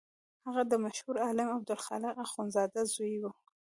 هغه د مشهور عالم عبدالخالق اخوندزاده زوی و.